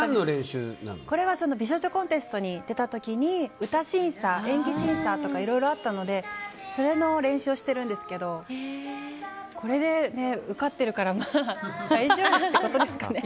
これは美少女コンテストに出た時に、歌審査、演技審査とかいろいろあったのでそれの練習をしているんですけどこれで受かってるからまあ大丈夫ってことですかね。